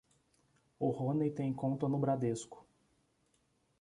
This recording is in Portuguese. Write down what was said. O Ronei tem conta no Bradesco.